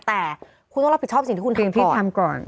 แต่คุณต้องรับผิดชอบสิ่งที่คุณทำพี่ทำก่อน